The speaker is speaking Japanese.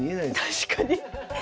確かに。